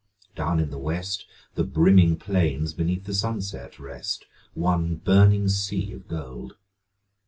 Down in the west The brimming plains beneath the sunset rest, One burning sea of gold.